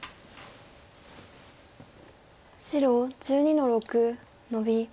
白１２の六ノビ。